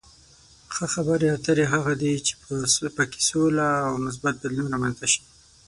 ښه خبرې اترې هغه دي چې په کې سوله او مثبت بدلون رامنځته شي.